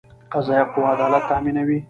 قضایه قوه عدالت تامینوي